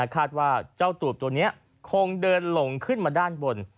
คาดว่าเจ้าตูบตัวนี้คงเดินหลงขึ้นมาด้านบน